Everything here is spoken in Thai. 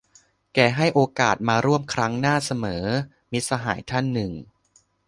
แกให้โอกาสมาร่วมครั้งหน้าเสมอ - มิตรสหายท่านหนึ่ง